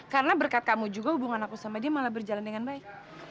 karena berkat kamu juga hubungan aku sama dia malah berjalan dengan baik